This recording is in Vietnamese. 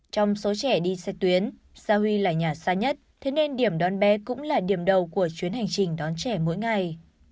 trong số trẻ đi xe tuyến sa huy là nhà xa nhất thế nên điểm đón bé cũng là điểm đầu của chuyến hành trình đón trẻ mỗi ngày